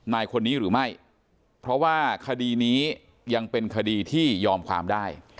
นายคนนี้หรือไม่เพราะว่าคดีนี้ยังเป็นคดีที่ยอมความได้